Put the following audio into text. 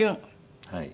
はい。